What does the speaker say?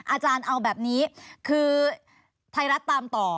อาจารย์เอาแบบนี้คือไทยรัฐตามต่อ